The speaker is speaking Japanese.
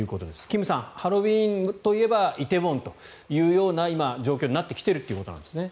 金さん、ハロウィーンといえば梨泰院という今、状況になってきているということなんですね。